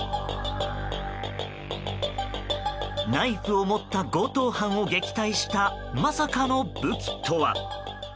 ナイフを持った強盗犯を撃退したまさかの武器とは？